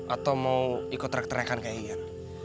atau mau ikut trek trekan kayak ian